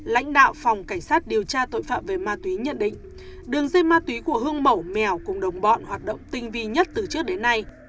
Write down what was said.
lãnh đạo phòng cảnh sát điều tra tội phạm về ma túy nhận định đường dây ma túy của hương mẩu mèo cùng đồng bọn hoạt động tinh vi nhất từ trước đến nay